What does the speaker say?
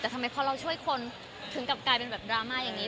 แต่ทำไมพอเราช่วยคนถึงกลับกลายเป็นแบบดราม่าอย่างนี้